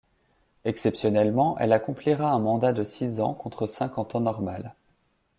Exceptionnellement, elle accomplira un mandat de six ans contre cinq en temps normal.